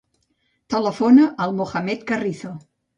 Telefona al Mohamed Carrizo.